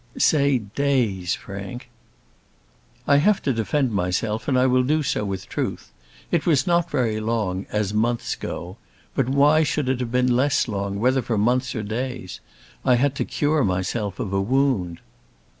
"Say days, Frank." "I have to defend myself, and I will do so with truth. It was not very long, as months go; but why should it have been less long, whether for months or days? I had to cure myself of a wound."